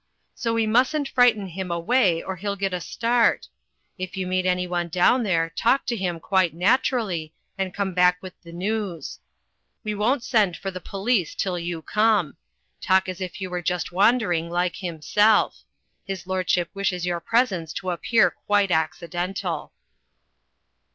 So we mustn't frighten him away, or hfc'll get a start If you meet anyone down there talk to him quite naturally, and come back with the news. We won't send for the police till you come. Talk as if you were just wan dering like himself. His lordship wishes your presence to appear quite accidental."